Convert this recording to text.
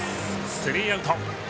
スリーアウト。